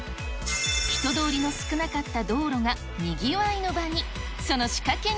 人通りの少なかった道路がにぎわいの場に。